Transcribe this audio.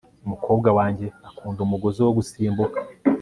umukobwa wanjye akunda umugozi wo gusimbuka